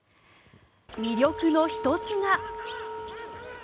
魅力の１つが。